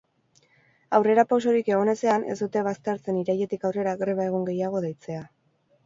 Aurrerapausorik egon ezean, ez dute baztertzen irailetik aurrera greba egun gehiago deitzea.